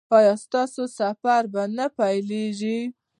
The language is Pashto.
ایا ستاسو سفر به نه پیلیږي؟